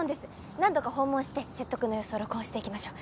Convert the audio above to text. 何度か訪問して説得の様子を録音していきましょう。